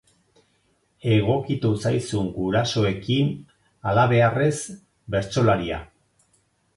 Egokitu zaizkizun gurasoekin, halabeharrez bertsolaria.